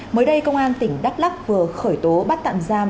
mới đây công an tỉnh đắk lắc vừa khởi tố bắt tạm giam